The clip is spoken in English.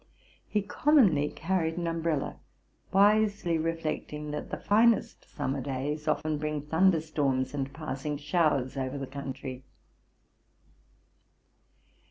He commonly carried an umbrella, wisely reflecting that the finest summer days often bring thunder storms and passing showers over the country.